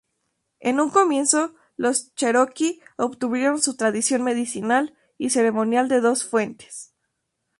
En un comienzo los cheroqui obtuvieron su tradición medicinal y ceremonial de dos fuentes.